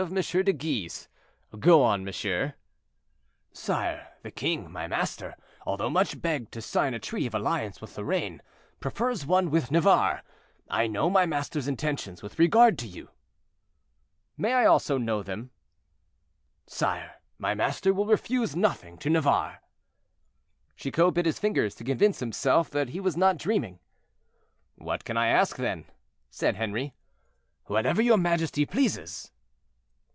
de Guise; go on, monsieur." "Sire, the king, my master, although much begged to sign a treaty of alliance with Lorraine, prefers one with Navarre. I know my master's intentions with regard to you." "May I also know them?" "Sire, my master will refuse nothing to Navarre." Chicot bit his fingers to convince himself that he was not dreaming. "What can I ask then?" said Henri. "Whatever your majesty pleases."